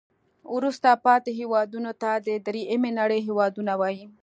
وروسته پاتې هیوادونو ته د دریمې نړۍ هېوادونه وایي.